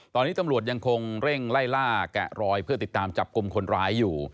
ตอนนี้ตำรวจยังคงเร่งไล่ล่าแกะรอยเพื่อติดตามจับกลุ่มคนร้ายอยู่